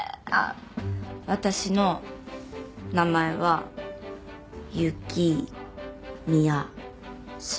私の名前は雪宮鈴。